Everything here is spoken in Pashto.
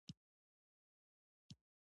نورو شاعرانو هم د حمید لاره تعقیب کړه